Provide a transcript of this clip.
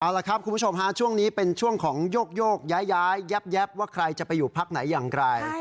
เอาละครับคุณผู้ชมฮะช่วงนี้เป็นช่วงของโยกย้ายแยบว่าใครจะไปอยู่พักไหนอย่างไร